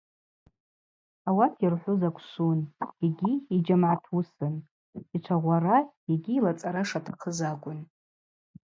Ауат йырхӏвуз аквшвун йгьи йджьамгӏатуысын,–йчвагъвара йгьи йлацӏара шатахъыз акӏвын.